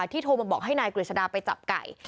โทรมาบอกให้นายกฤษดาไปจับไก่